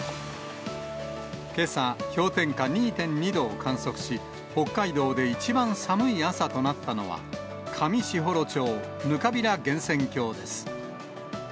けさ、氷点下２．２度を観測し、北海道で一番寒い朝となったのは、上士幌町・ぬかびら源泉郷です。